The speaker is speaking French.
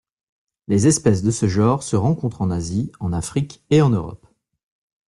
Les espèces de ce genre se rencontrent en Asie, en Afrique et en Europe.